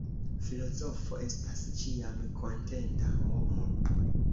Filozofo estas ĉiam kontenta homo.